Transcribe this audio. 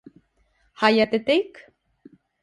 Hayate Take